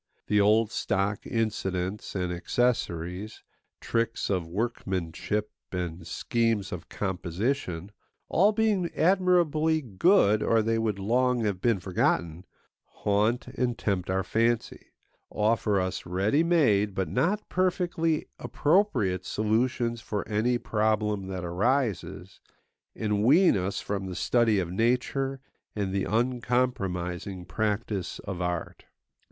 The old stock incidents and accessories, tricks of workmanship and schemes of composition (all being admirably good, or they would long have been forgotten) haunt and tempt our fancy, offer us ready made but not perfectly appropriate solutions for any problem that arises, and wean us from the study of nature and the uncompromising practice of art.